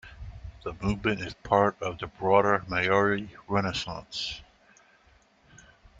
The movement is part of a broader Māori Renaissance.